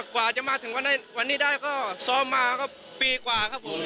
กว่าจะมาถึงวันนี้ได้ก็ซ้อมมาก็ปีกว่าครับผม